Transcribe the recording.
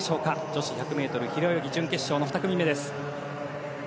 女子１００ｍ平泳ぎ準決勝の２組目です。